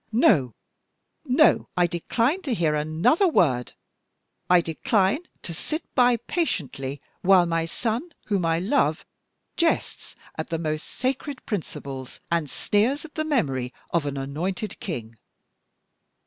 "No, no! I decline to hear another word. I decline to sit by patiently while my son, whom I love, jests at the most sacred principles, and sneers at the memory of an anointed king.